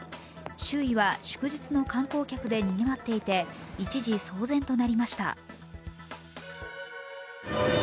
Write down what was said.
周囲は祝日の観光客でにぎわっていて、一時、騒然となりました。